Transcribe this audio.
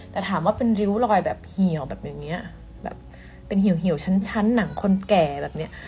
แต่ถามว่าเป็นริ้วรอยแบบเหี่ยวแบบอย่างนี้แบบเป็นเหี่ยวชั้นหนังคนแก่แบบเนี้ย